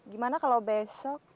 gimana kalau besok